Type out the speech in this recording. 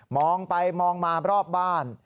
มองไปมองมารอบบ้าน